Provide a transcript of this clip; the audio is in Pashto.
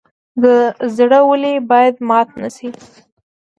زړه ولې باید مات نشي؟